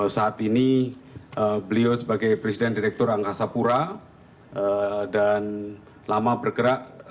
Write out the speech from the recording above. saat ini beliau sebagai presiden direktur angkasa pura dan lama bergerak